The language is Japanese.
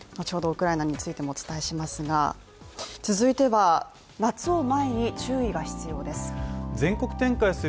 ウクライナについてもお伝えしますが、続いては、夏を前に注意が必要です。